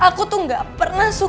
aku tuh gak pernah suka